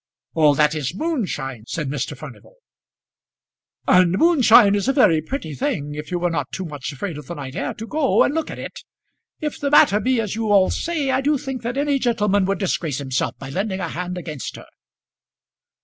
"All that is moonshine," said Mr. Furnival. "And moonshine is a very pretty thing if you were not too much afraid of the night air to go and look at it. If the matter be as you all say, I do think that any gentleman would disgrace himself by lending a hand against her."